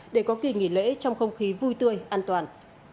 để có kỳ nghỉ lễ trong không khí vui tươi an toàn